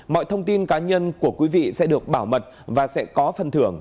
mọi thông tin cá nhân của quý vị sẽ được bảo mật và sẽ có phần thưởng